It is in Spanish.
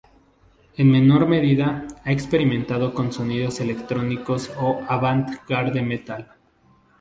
En menor medida, ha experimentado con sonidos electrónicos o avant-garde metal.